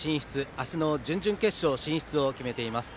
明日の準々決勝進出を決めています。